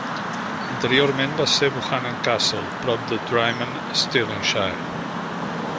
Anteriorment va ser Buchanan Castle, prop de Drymen, Stirlingshire.